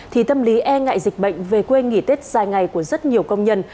thì tâm lý e ngại dịch bệnh về quê nghỉ tết dài ngày của rất nhiều công nhân